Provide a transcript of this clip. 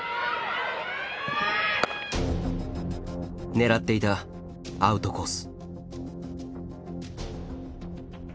狙っていたアウトコース。